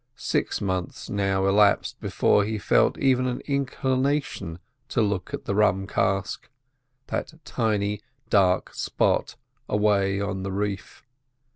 Six months now elapsed before he felt even an inclination to look at the rum cask, that tiny dark spot away on the reef.